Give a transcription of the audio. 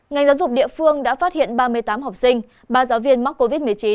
ngành giáo dục địa phương đã phát hiện ba mươi tám học sinh ba giáo viên mắc covid một mươi chín